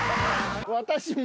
私。